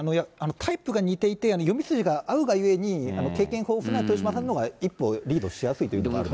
タイプが似ていて、読み筋が合うがゆえに、経験豊富な豊島さんのほうが、一歩リードしやすいということがあります。